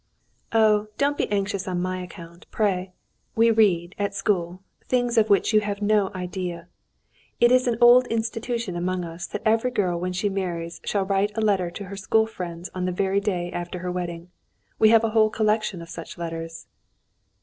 "Oh, don't be anxious on my account, pray! We read, at school, things of which you have no idea. It is an old institution among us that every girl when she marries shall write a letter to her school friends on the very day after her wedding. We have a whole collection of such letters."